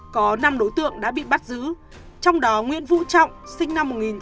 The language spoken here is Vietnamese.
có năm đối tượng đã bị bắt giữ trong đó nguyễn vũ trọng sinh năm một nghìn chín trăm tám mươi